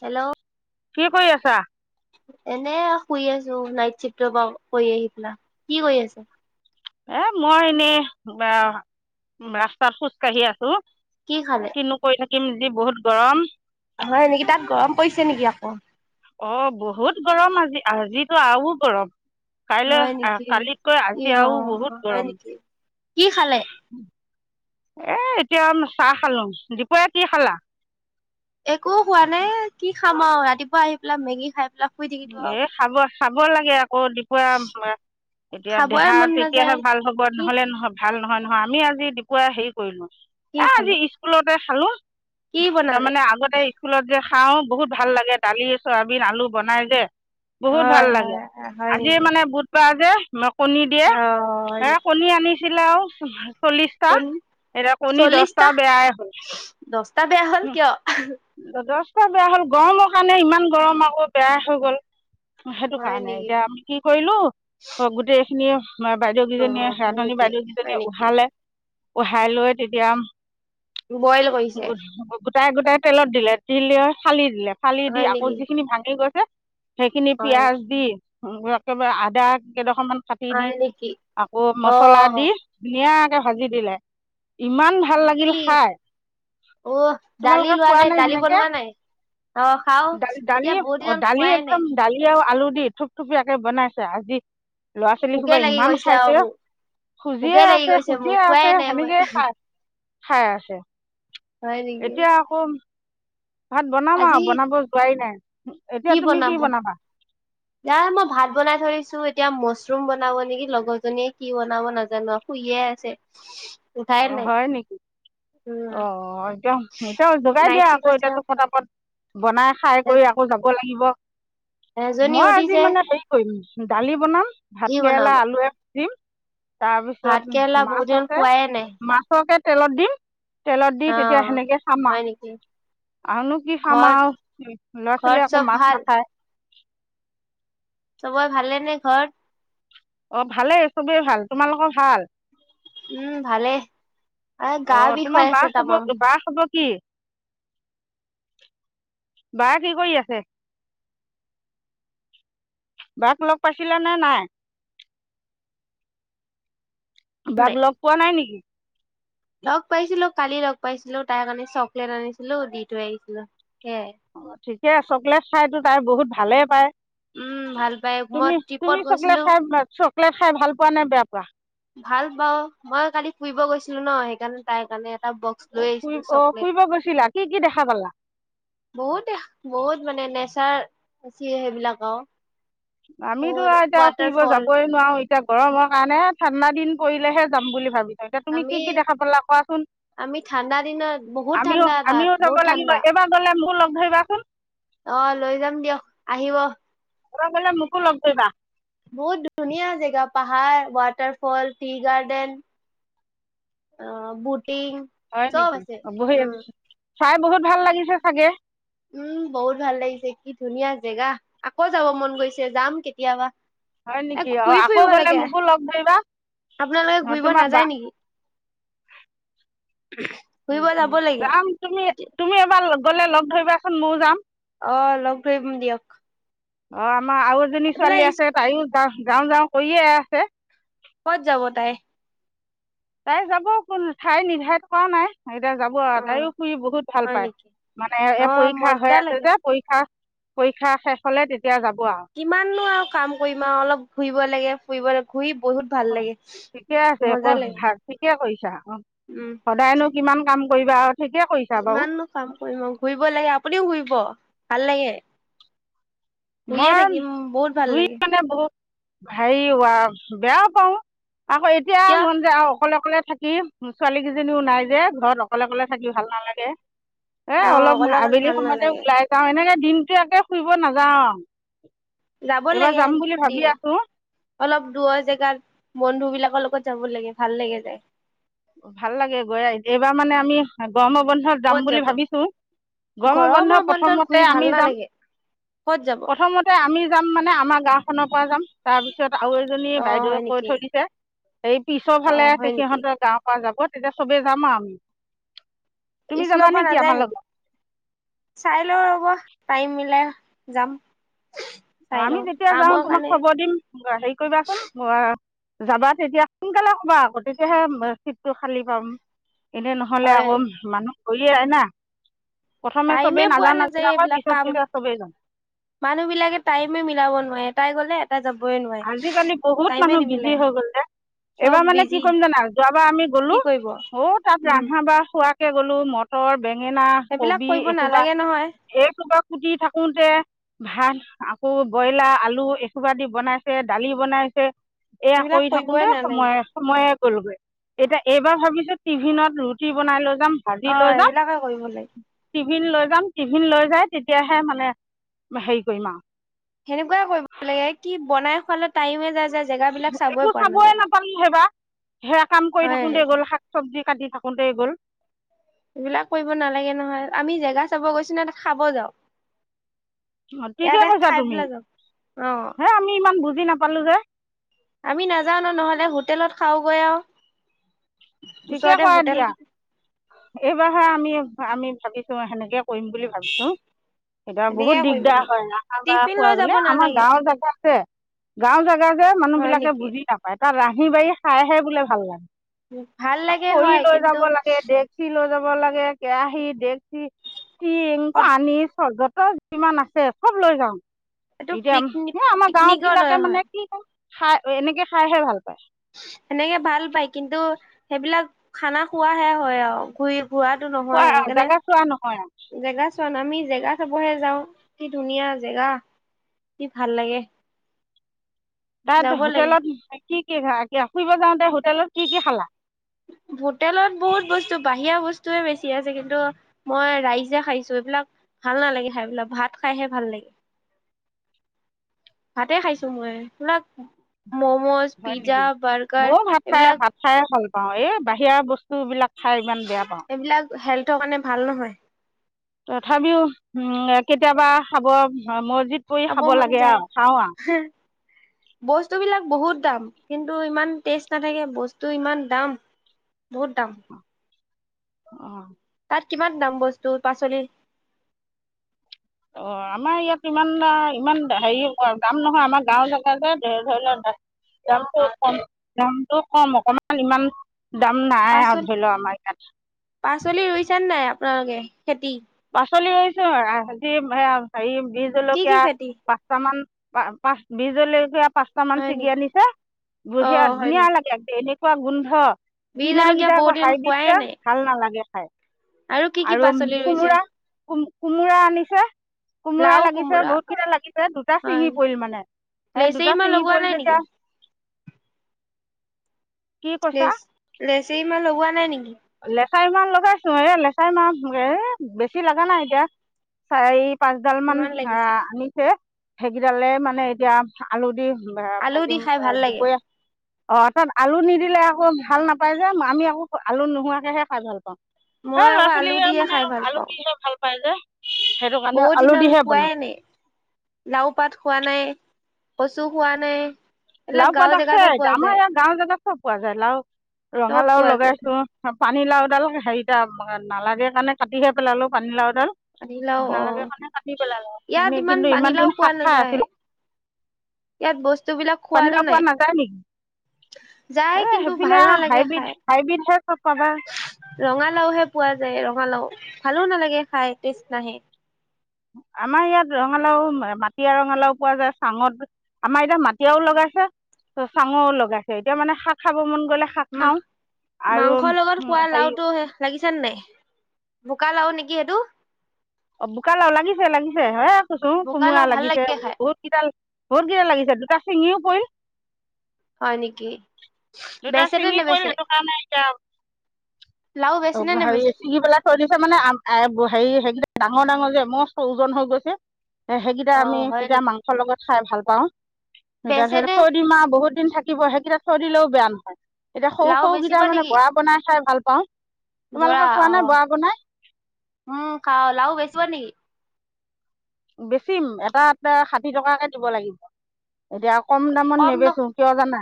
Hello কি কৰি আছা এনে শুই আছ নাইট চিফটৰ পৰা কৰি আহি পেলা ।কি কৰি আছে? এ মই এনেই ৰাস্তাত খোজ কাঢ়ি আছো কি খালে? কিনু কৈ থাকে কিমান যে বহুত গৰম হয় নেকি তাত গৰম পৰিছে নেকি আকৌ অ বহুত গৰম আজি আজিতো আৰু গৰম কাইলৈ হয় আহ নেকি কালিতকৈ ই আজি অ আৰু বহুত হয় গৰম নেকি কি খালে? এ এতিয়া চাহ খালো দুপৰীয়া কি খালা একো খোৱা নাই কি খাম আৰু ৰাতিপুৱা আহি পেলাই মেগী খাই লই হুই থাকিলো এই খাব খাব লাগে। আকৌ দুপৰীয়াৰ এতিয়া খাবই দেহা মন তেতিয়াহে নাযায় ভাল হব কি নহভাল নহয় নহ অ আমি আজি দুপৰীয়া হেৰি কৰিলো কি এ খালে আজি স্কুলত তে খালো কি বনালে? তাৰমানে আগতে স্কুলত যে খাওঁ বহুত ভাল লাগে দালি, চয়াবিন, আলু বনাই যে বহুত ভাল হয় লাগে হয় হয় আজি নেকি? মানে বুধবাৰ যে মোক কণী দিয়ে অ হয় এ কণী আনিছিলে আৰু [unintelligible] চল্লিছটা নেকি এতিয়া কণী দহটা চল্লিশটা বেয়াই হ'ল দহটা বেয়া হ'ল কিয়? দহ বেয়া হ'ল গৰমৰ কাৰণে ইমান গৰম আকৌ বেয়া হৈ গ'ল সেইটো হয় কাৰণে নেকি এতিয়া আমি কি কৰিলো অ গোটেইখিনি অ বাইদেউকেইজনীয়ে হয় ৰান্ধনী নেকি হয় বাইদেউকেইজনী নেকি উঠালে পঢ়াই লৈ তেতিয়া বইল কৰিছে গোটাই গোটাই তেলত দিলে তিল ফালি দিলে ফালি দি হয় আকৌ নেকি? যিখিনি ভাঙি গৈছে সেইখিনি হয় পিয়াজ দি একেবাৰে আদা কেইডখমান চাটি দি হয় নেকি আকৌ অ মছলা দি ধুনীয়াকে ভাজি দিলে ইমান ভাল লাগিল কি খাই অ দালি তোমালোকে লোৱা খোৱা নাই দালি সেনেকৈ বনোৱা নাই অ খাও এতিয়া অ দিনত ডালি খোৱাই নাই একদম ডালি আৰু আলু দি থুপথুপীয়াকে বনাইছে আজি ল'ৰা ছোৱালী ভোকে খোবা লাগি ইমান গৈছে খাইছে আৰু ৰ মোক ভোকে খুজিয়ে লাগি আছে গৈছে মোৰ খুজিয়ে খোৱাই আছে নাই মই সেনেকেই খাই। খাই আছে। হয় নেকি এতিয়া আকৌ ভাত বনাম আজি আৰু বনাব যোৱাই নাই। এতিয়া কি তুমি বনাব বনাবা না মই ভাত বনাই থৈ আহিছোঁ এতিয়া মছৰুম বনাব নেকি লগৰ জনীয়ে কি বনাব নাজানো শুইয়ে আছে। উঠাই অ নাই হয় নেকি উম অ এতিয়া এতিয়া যোগাই নাইট দিয়া চিফ আকৌ আছে এতিয়াাতো আৰু। ফটাফত বনাই খাই এ কৰি আকৌ যাব লাগিব। এজনী মই আজি উঠিছে মানে হেৰি কৰিম দালি বনাম সি ভাত বনাব কেৰেলা আলু ভাজিম। তাৰ ভাত পিছত কেৰেলা মাছ বহুত দিন আছে। খোৱাই নাই মাছকে তেলত দিম। তেলত দি অ তেতিয়া সেনেকে খাম হয় নেকি আৰু আৰুনো কি খাম ঘৰত আৰু ল'ৰা ঘৰত ছোৱালীয়ে আকৌ চব মাছ ভাল? নাখায়। চবাৰে ভালে নে ঘৰত? অ ভালেই চবেই ভাল, তোমালোকৰ ভাল? উম ভালেই আৰু অ গা তোমাৰ বিষয় বা আছে খবৰ তামাম। বা খবৰ কি বা কি কৰি আছে? বাক লগ পাইছিলা নে নাই? বাক নাই। লগ পোৱা নাই নেকি? লগ পাইছিলো কালি লগ পাইছিলো তাৰ কাৰণে চকলেট আনিছিলো দি থৈ আহিছিলো। সেয়াই অ ঠিকে চকলেট খাইটো। তাই বহুত ভালে পায়। উম ভাল পাই মই তুমি ট্ৰিপত তুমি চকলেত গৈছিলো। খাই [unintelligible] লেট খাই ভাল পোৱা নে বেয়া পোৱা? ভাল পাওঁ মই কালি ফুৰিব গৈছিলো ন সেইকাৰণে তাই কাৰণে এটা বক্স লৈ ফুৰি আহিছিলো অ চকলেট ফুৰিব গৈছিলা কি কি দেখা পালা বহুতে বহুত মানে [unintelligible] সেইবিলাক আৰু। আমিতো আৰু এতিয়া ফুৰিব যাবই নোৱাৰো এতিয়া গৰমৰ কাৰণে ঠাণ্ডা দিন পৰিলেহে যাম বুলি ভাবি এতিয়া তুমি আমি কি কি দেখা পালা কোৱাচোন আমি ঠাণ্ডা দিনত বহুত আমিও ঠাণ্ডা তাত আমিও বহুত যাব ঠাণ্ডা। লাগিব এবাৰ গলে মোৰ লগত ধৰিবাচোন অ' লৈ যাম দিয়ক, আহিব। [unintelligible] গ'লে মোকো লগ ধৰিবা। বহুত ধুনীয়া জেগা পাহাৰ, ৱাটাৰফল, টি-গাৰ্ডেন। অ বুট হয় নেকি? অ বহি [unintelligible] চাই বহুত ভাল লাগিছে চাগে! উম বহুত ভাল লাগিছে কি ধুনীয়া জেগা! আকৌ যাব মন গৈছে, যাম কেতিয়াবা। হয় এ নেকি ঘূৰি অ' আকৌ ফুৰিব গ'লে লাগে মোকো লগ ধৰিবা। আপোনালোকে ঘূৰিব তোমাৰ বা নাযায় নেকি ঘুৰিব যাব লাগে যাম তুমি-তুমি এবাৰ গ'লে লগ ধৰিবাচোন ময়ো যাম। অ' লগ ধৰিম দিয়ক। অ' [unintelligible] আমাৰ আৰু এজনী এইফালে ছোৱালী আছে তাইও [unintelligible] যাও-যাও কৰিয়ে আছে। ক'ত যাব তাই? তাই যাব কোনো ঠাই নিৰ্ধাৰণ কৰা নাই। এতিয়া যাব আৰু অ তাইও ফুৰি বহুত ভাল হয় পায়। নেকি মানে এ অ পৰীক্ষা হৈ মজা আছে লাগে যে পৰীক্ষা পৰীক্ষা শেষ হ'লে তেত কিমাননো আৰু কাম কৰিম আৰু অলপ ঘূৰিব লাগে। ফুৰিব [unintelligible] ভাল লাগে ঠিকে আছে‌ মজা আক'। লাগে ভাল ঠিকে কৈছ [unintelligible] অ' উম সদায়নো কিমান কাম কৰিবা আৰু ঠিকে কৰিছা বাৰু কিমাননো কাম কৰিম আৰু ঘূৰিব লাগে, আপুনিও ঘূৰিব। পালেগে মই ভাল ঘূৰি লাগে মানে বহু হেৰি উৱা বেয়া পাওঁ আকৌ এতিয়া কিয় মন যায় আও অকলে-অকলে থাকি ছোৱালী কেইজনীও নাই যে, ঘৰত অকলে-অকলে থাকি ভাল নালাগে। এ অ অলপ অকলে অকলে আবেলি ভাল সময়তে নালাগে ওলাই যাও এনেকে দিনটো একে ফুৰিব নাযাওঁ আৰু [unintelligible] যাব লাগে। ভাবি দিন, আছো অলপ দূৰৰ জেগাত বন্ধুবিলাক [unintelligible] লগত যাব লাগে ভাল লাগে যায় ভাল লাগে গৈ, এইবাৰ মানে আমি গৰমৰ বন্ধত যাম ক'ত বুলি যাব ভাবিছো গৰম ঘৰৰ বন্ধ মই বন্ধত প্ৰথমতে ঘূৰি ভাল আমি যাম নালাগে ক'ত যাব প্ৰথমতে আমি যাম মানে আমাৰ গাওখনৰ পৰা যাম তাৰপিছত আৰু এজনী অ হয় বাইদেৱে কৈ নেকি থৈছে সেই পিছৰ অ ফালে হয় আছে নেকি সিহঁতৰ গাঁওত যাব তেতিয়া চবে যাম আৰু আমি তুমি স্কুলৰ যাবা পৰা নেকি নাযায় আমাৰ লগত নেকি চাই লও ৰব টাইম মিলাই যাম অ চাই আমি লওঁ যেতিয়া যাও কামৰ তোমাক কাৰণে খবৰ দিম হেৰি কৰিবাচোন যাবা তেতিয়া সোনকালে কবা আকৌ তেতিয়াহে চিটটো খালী পাম এনে নহলে হয় আকৌ মানুহ কুৰীআয় আহ না প্ৰথমে টাইমে চবেই পোৱা নাজান নাযায় নাজনা হয় এইবিলাক পিছত কাম তেতিয়া চবেই যাম মানুহ বিলাকে টাইমে মিলাব নোৱাৰে তাই গ'লে এটা যাবই নোৱাৰে আজিকালি বহুত টাইমে মানুহ বিজি নিমিলাই হৈ গল যে চব এইবাৰ মানে কি বিজি কৰিম জানা যোৱাবাৰ আমি গলো কি কৰিব অ তাত উম ৰন্ধা বঢ় খোৱা গ'লো মটৰ বেঙেনা সেইবিলাক কবি কৰিব এসোপা নালাগে নহয় এইসোবা কুটি থাকোতে ভাত আকৌ ব্ৰইলাৰ, আলু এসোপা দি বনাই দালি বনাইছে এয়া সেইবিলাক কৰি কৰিবই থাকোঁতে নালাগে সময়ে সময়ে গৈ এতিয়া এইবাৰ ভাবিছো টিভিনত ৰুটি বনাই লৈ ভাজি অ লৈ যাম এইবিলাকে কৰিব লাগে টিভিন লৈ যাম টিভিন লৈ যাই তেতিয়াহে মানে হেৰি কৰিম আৰু ফালে টাইমে যায় যায় জেগাবিলাক একো পোৱা চাবই নাযায় নাপালো নহয় সেইবাৰ সেয়া কাম কৰি হয় থাকোতে গ'ল শাক চবজি কাটি থাকোতে গ'ল এইবিলাক কৰিব নালাগে নহয় আমি জেগা চাব গৈছো ন ত খাব যাওঁ অ ঠিকে ইয়াতে কৈছা খাই তুমি পেলাই যাওঁ অ হে আমি ইমান বুজ জি নাপালো যে আমি নাযাওঁ ন নহ'লে হোটেলত খাওঁগৈ আৰু ঠিকে ওচৰতে কৰা হোটেল দিয়া এইবাৰহে আমি আমি ভাবিছো সেনেকে কৰিম বুলি ভাবিছো এতিয়া সেনেকে বহুত কৰিব দিগদাৰ লাগে হয় আহা ব টিফিন খোৱা লৈ যাব গলে আমাৰ নালাগে গাঁৱৰ জাগাত গাঁও জেগা যে মানুহ হয় বিলাকে নেকি বুজি নাপায় তাৰ ৰান্ধি বাঢ়ি খাই হে, বোলে ভাল লাগে । ওম। খৰি লৈ যাব লাগে, ডেকচি লৈ যাব লাগে। নিব লাগে কেৰাহি ডেকচি। টিং সদ- পানী চৰ্বত। চব যিমান আছে চব লৈ এইটো যাওঁ। এতিয়া পিকনিক এ আমাৰ গাওঁ পিকনিকত বিলাকে হয় মানে কি কম। খাই আৰু এনেকে খাই হে ভাল পা‌য়। সেনেকে ভাল পায় কিন্তু, সেইবিলাক খানা খোৱা হে হয় আৰু ঘূৰি। ঘূৰাটো নহয় হয় আৰু জাগা চোৱা নহয় আৰু। কাৰণ আমি জেগা চাব হে যাওঁ। কি ধুনীয়া জেগা কি ভাল লাগে। তাত যাব লাগে হোটেলত কি, কি খালা। এয়া ফুৰিব যাওঁতে হোটেলত কি, কি খালা। হোটেলত বহুত বস্তু বাহিৰা বস্তুৱয়ে বেছি আছে ।কিন্তু মই ৰাইচ খাইছো। এইবিলাক ভাল নালাগে ।খাইপেলাই ভাত খাইহে ভাল লাগে ।ভাতে খাইছো মই ।এই বিলাক। হয় নেকি মইও ভাত খাই, এইবিলাক ভাত খাই ভাল পাওঁ। অ এ বাহিৰা বস্তু। এই বিলাক খাই ইমান বেয়া পাওঁ। এইবিলাক হেল্থৰ কাৰণে ভাল নহয় । তথাপিওঁ ওম কেতিয়াবা খাব মোৰ। খাব মন যায় ওমহ বস্তু বিলাক বহুত দাম। কিন্তু ইমান টেষ্ট নাথাকে বস্তু ইমান দাম। বহুত দাম। অঁ। তাত কিমান দাম বস্তু পাচলি। অঁ আমাৰ ইয়াত ইমান ইমান হেৰি দাম নহয়। আমাৰ গাওঁ জেগা যে, ধৰি লোৱা দামটো কম দামটো কম অকমান ইমান। দাম নাই আৰু পাচলি ধৰি লোৱা আমাৰ ইয়াত। নালাগে খেতি । পাচলি ৰুইছো আজি আ হেৰি। কি কি বিজলকীয়া খেতি পাঁচটা মান। পা পাছ বিজলকীয়া। পাঁচটা মান হয় ছিঙি নেকি আনিছে অ বঢ়িয়া হয় ধুনীয়া নেকি লাগে ডেইলী। পোৰা গোন্ধ। বিজ কিনা জলকীয়া গিটা বহুত আকৌ দিন হাইব্ৰিড খোৱাই গিটা নাই ভাল নালাগে। হয়। আৰু কি কি পাচলি ৰুইছে। কোমোৰাহ কোমোৰা আনিছে কোমোৰা লাও লাগিছে কোমোৰা বহুত কেইটা লাগিছে দুটা হয় চিঙি পৰিল মানে সেই লেচেৰি দুটা মাহ চিঙি লগোৱা পৰিল নাই নেকি যেতিয়া কি লেচ লেচেৰীমাহ লগোৱা নাই নেকি? লেখাই ইমান লগাইছো এ লেখাই ইমান এ বেছি লা নাই এতিয়া চাৰি পাচডাল মান কিমান লাগিছে আহ আনিছে ঢেঁকীডালে মানে এতিয়া আলু দি বা আলু দি ভাজিম খাই ভাল লাগে দুপৰীয়া অ তাত আলু নিদিলে আকৌ ভাল নাপায় যে আমি আকৌ আলু নো নোহোঁৱাকে হে খাই ভাল পাওঁ মই আকৌ আলু ছোৱালীয়ে দিহে মানে খাই ভাল আলু পাওঁ দিহে ভাল পায় যে সেইটো কাৰণে বহু আলু দিনত দিহে খোৱাই বনাম এনে লাও পাত খোৱা নাই কচু খোৱা নাই এইবিলাক লাও পাত গাঁওৰ আছে জেগাতহে পোৱা আমাৰ যায় ইয়াৰ গাঁও জেগাত চব পোৱা যায় লাও চব ৰঙালাও পোৱা যায় লগাইছো পানী লাওডাল হেৰি এটা নালাগে কাৰণে কাটিহে পেলালো পানী লাও ডাল পানীলাও অ নালাগে কাৰণে কাটি পেলালো ইয়াত এনে কিন্তু ইমান পানীলাও দিন পোৱা শাক খাই নাযায় আছিলো ইয়াত বস্ত বস্তুবিলাক সোৱাদ পোৱা নাই নাযায় নেকি যায় এ কিন্তু সেইপিনে ভাল নালাগে হাইব্ৰীড খাই হাইব্ৰীডহে চব পাবা ৰঙালাওহে পোৱা যায় ৰঙালাও ভালো নালাগে খাই টেষ্ট নাহে আমাৰ ইয়াত ৰঙালাও মাটিয়া ৰঙালাও পোৱা যায় চাঙত আমাৰ এতিয়া মাটিয়ও লগাইছে ত চাঙও লগাইছে এতিয়া মানে শাক খাব মন গ মা মাংসৰ লগত খোৱা হেৰি লাওটো লাগিছেনে নাই বোকা লাও নেকি সেইটো অ বোকা লাও লাগিছে লাগিছে হ কোছো বোকা কোমোৰা লাও ভাল লাগিছে লাগে ব খাই বহুত কেইডাল বহুত কেইটা লাগিছে দুটা চিঙিও পৰিল হয় নেকি দুটা বেচে নে ছিঙি পৰিল নেবেচে সেইটো কাৰণে এতিয়া লাও বেচে নে নেবেচে হেৰি চিঙিবেলা থৈ দিছে মানে আম আৰু হেৰি হে ডাঙৰ ডাঙৰ যে মস্ত ওজন হৈ গৈছে সেইকেইটা অ আমি হয় তেতিয়া নেকি মাংসৰ লগত খাই ভাল পাওঁ। বেচে সেই নে থৈ দিম আও বহুত থাকিব সেইকেইটা থৈ দিলেও বেয়া নহয় এতিয়া সৰু সৰুকেইটা মানে পৰা বনাই খাই ভাল অ গোৰা অ ম খাল লাও বেছিব নেকি? বেচিম এটা এ ষাঠি টকাকে দিব লাগিব এতিয়া কম দামত কম ন নেবেচো কিয় জানা।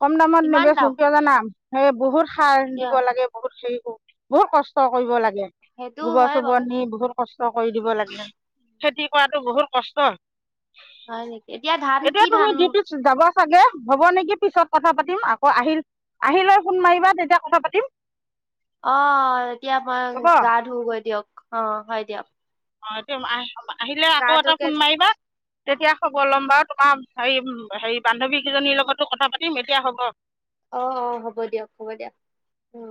কম দামত কিমান নেবেচো দাম কিয় জানা? সেই বহুত সাৰ এতিয়া দিব লাগে বহুতখিনি বহুত কষ্ট কৰিব লাগে। সেইটো গোবৰ হয় বাৰু চোবৰ নি বহুত কষ্ট কৰি দিব লাগে। খেতি কৰাতটো বহুত কষ্ট। হয় নেকি এতিয়া ধান কি তুমি ধান? ডিউটিত যাব চাগে হ'ব নেকি পিছত কথা পাতিম আকৌ আহিল আহিলৈ ফোন মাৰিবা তেতিয়া কথা পাতিম। অ এতিয়া মই হ'ব গা ধুওগৈ দিয়ক। অ হয় দিয়া অ তেওঁ [unintelligible] আহিলে আকৌ এটা ফোন মাৰিবা। তেতিয়া হ'ব ল'ম বাৰু তোমাৰ হেৰি হেৰি বান্ধৱী কেইজনীৰ লগতো কথা পাতিম এতিয়া হ'ব। অ অ হ'ব দিয়ক হ'ব দিয়া উম।